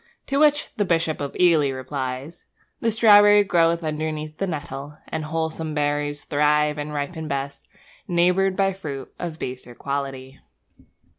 To which the Bishop of Ely replies: The strawberry grows underneath the nettle, And wholesome berries thrive and ripen best, Neighboured by fruit of baser quality.